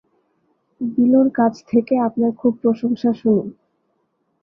বিলুর কাছ থেকে আপনার খুব প্রশংসা শুনি।